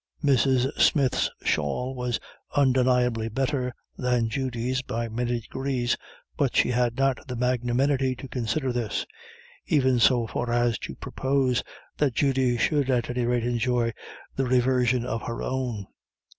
Mrs. Smith's shawl was undeniably better than Judy's by many degrees but she had not the magnanimity to consider this, even so far as to propose that Judy should at any rate enjoy the reversion of her own.